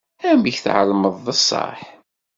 Amek tɛelmeḍ d ṣṣeḥ?